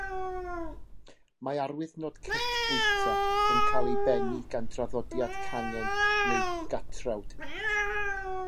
Mae arwyddnod cit bwyta yn cael ei bennu gan draddodiad cangen neu gatrawd.